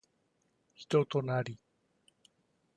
人となり